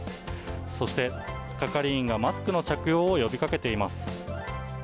そして、係員がマスクの着用を呼びかけています。